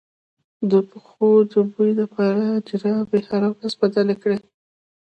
د پښو د بوی لپاره جرابې هره ورځ بدلې کړئ